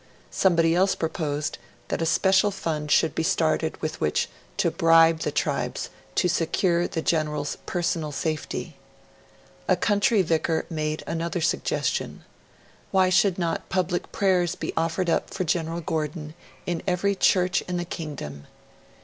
Somebody else proposed that a special fund should be started with which 'to bribe the tribes to secure the General's personal safety'. A country vicar made another suggestion. Why should not public prayers be offered up for General Gordon in every church in the kingdom?